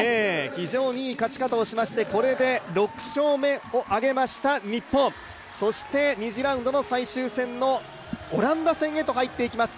非常にいい勝ち方をしましてこれで６勝目を挙げました日本そして２次ラウンドの最終戦のオランダ戦へと入っていきます。